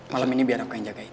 malam ini biar aku yang jagain